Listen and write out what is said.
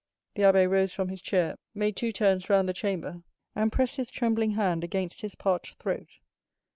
'" The abbé rose from his chair, made two turns round the chamber, and pressed his trembling hand against his parched throat.